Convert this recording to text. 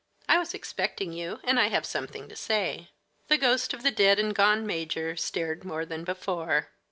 I was expecting you, and I have something to say." The ghost of the dead and gone major stared more than before.